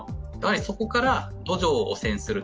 そこから土壌を汚染すると。